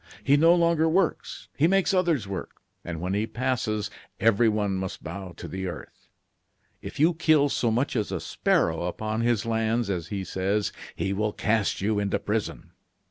He no longer works; he makes others work; and when he passes, everyone must bow to the earth. If you kill so much as a sparrow upon his lands, as he says, he will cast you into prison.